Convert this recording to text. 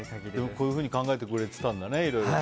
こういうふうに考えてくれてたんだね。